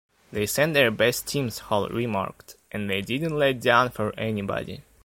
"They sent their best teams," Hall remarked, "and they didn't lay down for anybody.